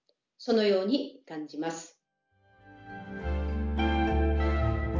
そのように感じます。